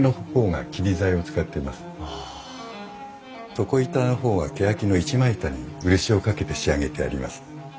床板の方はけやきの一枚板に漆をかけて仕上げてあります。